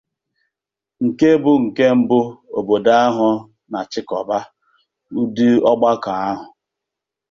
nke bụ nke mbụ obodo ahụ na-achịkọba ụdị ọgbakọ ahụ